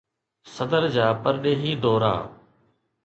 صدر جا پرڏيهي دورا